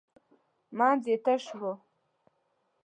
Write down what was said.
منځ یې تش و .